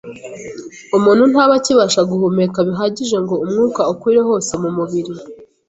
umuntu ntaba akibasha guhumeka bihagije ngo umwuka ukwire hose mu mubiri.